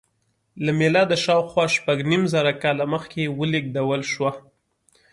له میلاده شاوخوا شپږ نیم زره کاله مخکې ولېږدول شوه.